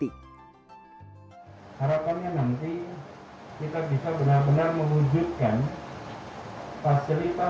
harapannya nanti kita bisa benar benar mewujudkan fasilitas